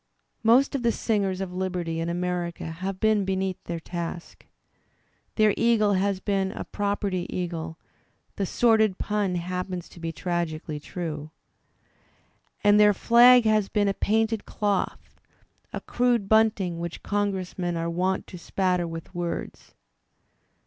Most of the singers of liberty in America have been be neath their task. Their eagle has been a "property" eagle (the sordid pun happens to be tragically true), and their flag has been a painted doth, a crude bunting which Congressmen are wont to spatter with words.